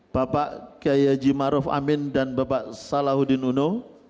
bapak kiai yajimah ruf amin dan bapak salahuddin uno